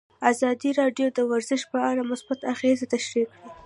ازادي راډیو د ورزش په اړه مثبت اغېزې تشریح کړي.